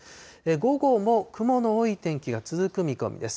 午後も雲の多い天気が続く見込みです。